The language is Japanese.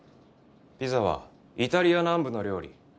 ピザはイタリア南部の料理